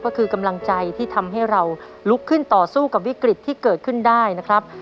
ก็คือกำลังใจที่ทำให้เราลุกขึ้นต่อสู้กับวิกฤตที่เกิดขึ้นได้นะครับ